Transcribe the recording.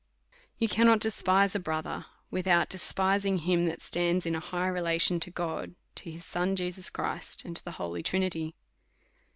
You cannot despise a l3rother, without despising him that DEVOUT AND HOLY LIFE. 307 stands in a high relation to God, to his Son Jesus Christy and to the Holy Trinity.